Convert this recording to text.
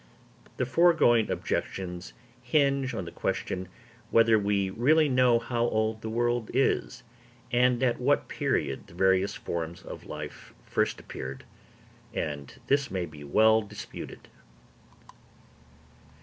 The foregoing objections hinge on the question whether we really know how old the world is, and at what period the various forms of life first appeared; and this may well be disputed.